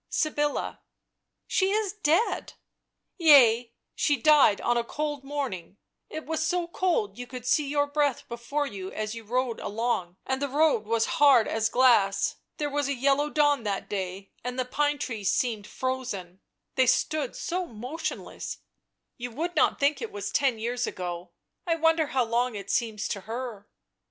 " Sybilla." " She is dead." " Yea, she died on a cold morning — it was so cold you could see your breath before you as you rode along, and the road was hard as glass — there was a yellow dawn that day, and the pine trees seemed frozen, they stood so motionless — you would not think it was ten years ago — I wonder how long it seems to her?"